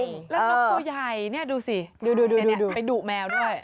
แล้วนกตัวใหญ่นี่ดูสิดูไปดุแมวด้วย